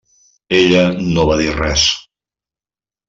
Ella no va dir res.